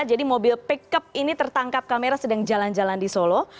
jadi mobil pickup ini tertangkap kamera sedang jalan jalan di solo